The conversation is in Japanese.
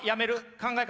考え方